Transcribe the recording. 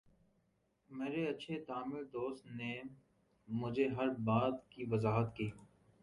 میرے اچھے تامل دوست نے مجھے ہر بات کی وضاحت کی